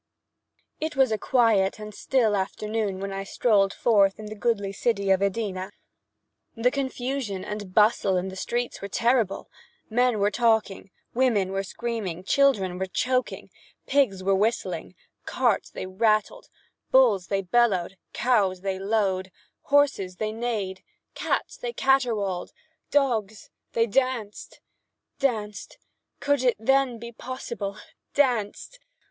It was a quiet and still afternoon when I strolled forth in the goodly city of Edina. The confusion and bustle in the streets were terrible. Men were talking. Women were screaming. Children were choking. Pigs were whistling. Carts they rattled. Bulls they bellowed. Cows they lowed. Horses they neighed. Cats they caterwauled. Dogs they danced. Danced! Could it then be possible? Danced!